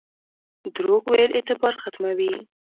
دروغ ویل اعتبار ختموي